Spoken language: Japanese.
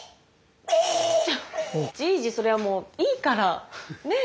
じいじそれはもういいから！ねえ？